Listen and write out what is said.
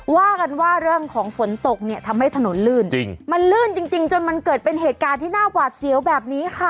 ว่ากันว่าเรื่องของฝนตกเนี่ยทำให้ถนนลื่นจริงมันลื่นจริงจริงจนมันเกิดเป็นเหตุการณ์ที่น่าหวาดเสียวแบบนี้ค่ะ